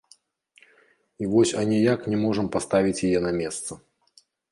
І вось аніяк не можам паставіць яе на месца.